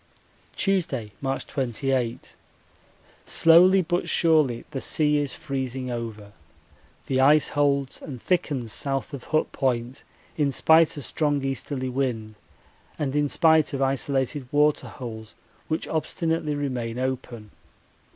Tuesday, March 28. Slowly but surely the sea is freezing over. The ice holds and thickens south of Hut Point in spite of strong easterly wind and in spite of isolated water holes which obstinately remain open.